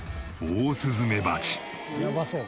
「やばそう」